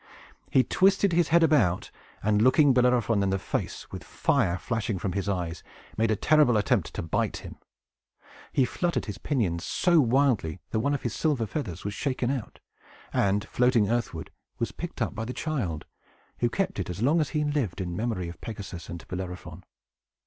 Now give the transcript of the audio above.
He twisted his head about, and, looking Bellerophon in the face, with fire flashing from his eyes, made a terrible attempt to bite him. He fluttered his pinions so wildly that one of the silver feathers was shaken out, and, floating earthward, was picked up by the child, who kept it as long as he lived, in memory of Pegasus and Bellerophon.